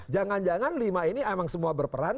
jangan jangan lima ini emang semua berperan